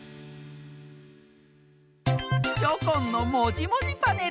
チョコンの「もじもじパネル」！